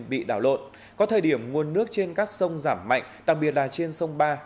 bị đảo lộn có thời điểm nguồn nước trên các sông giảm mạnh đặc biệt là trên sông ba